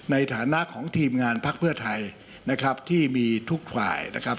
ในฐานะของทีมงานพักเพื่อไทยนะครับที่มีทุกฝ่ายนะครับ